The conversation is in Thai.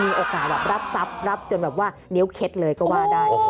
มีโอกาสแบบรับทรัพย์รับจนแบบว่านิ้วเคล็ดเลยก็ว่าได้